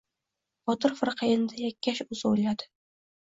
Botir firqa endi... yakkash o‘zi o‘yladi.